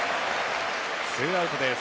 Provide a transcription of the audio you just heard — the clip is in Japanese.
ツーアウトです。